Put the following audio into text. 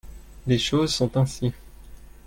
les choses sont ainsi.